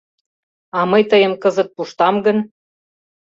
— А мый тыйым кызыт пуштам гын?!